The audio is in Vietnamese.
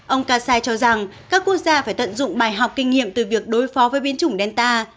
ông kasai cho rằng các quốc gia phải tận dụng bài học kinh nghiệm từ việc đối phó với biến chủng delta